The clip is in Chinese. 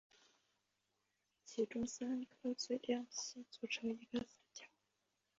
其中三颗最亮的星组成一个三角。